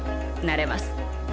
なれます。